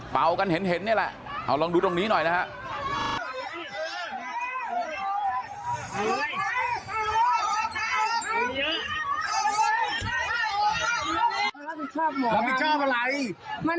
เป่ากันเห็นนี่แหละเอาลองดูตรงนี้หน่อยนะฮะ